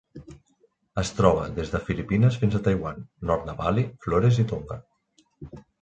Es troba des de Filipines fins a Taiwan, nord de Bali, Flores i Tonga.